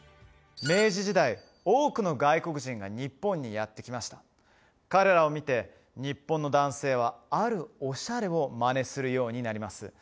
明治時代多くの外国人が日本にやって来ました彼らを見て日本の男性はあるオシャレをマネするようになります